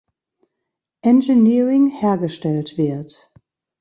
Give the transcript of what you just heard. Engineering hergestellt wird.